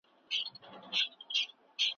موږ ټول د زده کړې په حال کې یو او تېروتنې کوو.